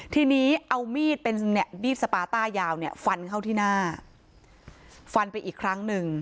ทีนี้เอามีดเป็นเนี่ยมีดสปาต้ายาวเนี่ยฟันเข้าที่หน้าฟันไปอีกครั้งหนึ่ง